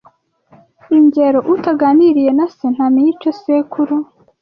Ingero Utaganiriye na se ntamenya icyo sekuru